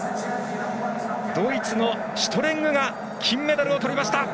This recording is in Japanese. ドイツのシュトレングが金メダルをとりました！